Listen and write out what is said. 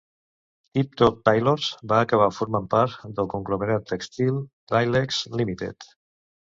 Tip Top Tailors va acabar formant part del conglomerat tèxtil Dylex Limited.